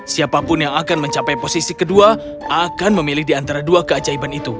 siapapun yang akan mencapai posisi kedua akan memilih di antara dua keajaiban itu